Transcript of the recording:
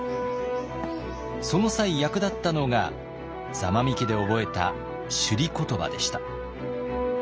その際役立ったのが座間味家で覚えた首里言葉でした。